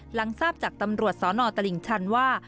หลังทราบจากตำรวจสนตลิ่งชันว่า